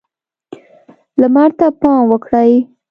لمر ته پام وکړئ.